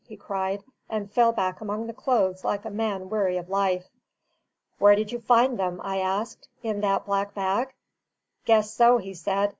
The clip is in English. he cried, and fell back among the clothes like a man weary of life. "Where did you find them?" I asked. "In that black bag?" "Guess so," he said.